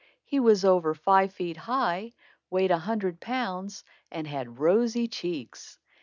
He was over five feet high, weighed a hundred pounds, and had rosy cheeks.